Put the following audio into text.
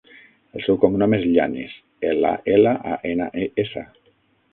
El seu cognom és Llanes: ela, ela, a, ena, e, essa.